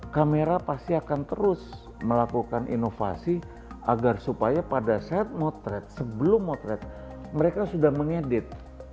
kamera pasti akan terus melakukan inovasi agar supaya pada saat motret sebelum motret mereka sudah mengedit